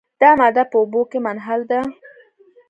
دا ماده په اوبو کې منحل ده.